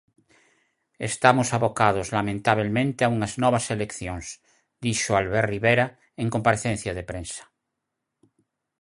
"Estamos abocados, lamentabelmente, a unhas novas eleccións", dixo Albert Rivera en comparecencia de prensa.